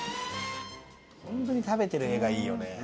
本当に食べてる画がいいよね。